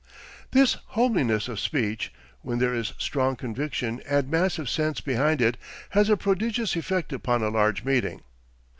This homeliness of speech, when there is strong conviction and massive sense behind it, has a prodigious effect upon a large meeting.